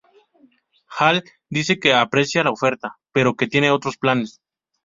Hal dice que aprecia la oferta, pero que tiene otros planes.